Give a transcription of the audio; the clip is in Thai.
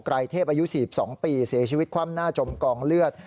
รายเทพอายุ๔๒ปีเสียชีวิตคว่ำหน้าจมกองเลือด